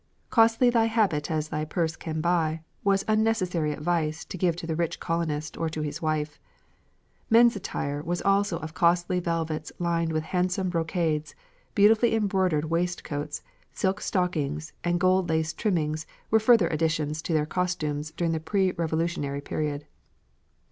"Costly thy habit as thy purse can buy," was unnecessary advice to give to the rich colonist or to his wife. Men's attire was also of costly velvets lined with handsome brocades; beautifully embroidered waistcoats, silk stockings, and gold lace trimmings were further additions to their costumes during the pre Revolutionary period.